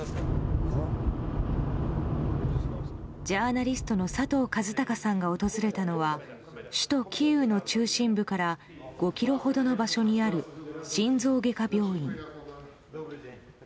ジャーナリストの佐藤和孝さんが訪れたのは首都キーウの中心部から５ｋｍほどの場所にある心臓外科病院。